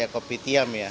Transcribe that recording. kopi tiam ya